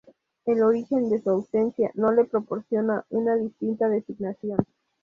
El origen de su ausencia no le proporciona una distinta designación.